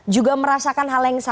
juga merasakan hal hal yang berbeda